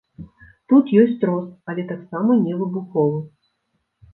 Тут ёсць рост, але таксама не выбуховы.